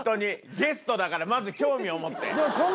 ゲストだからまず興味を持って。